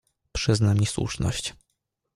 "Przyzna mi słuszność."